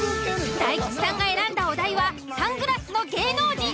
大吉さんが選んだお題は「サングラスの芸能人」。